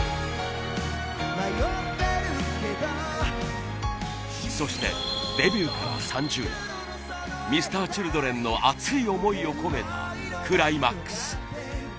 「Ｏｈ．．．」そしてデビューから３０年Ｍｒ．Ｃｈｉｌｄｒｅｎの熱い思いを込めたクライマックス。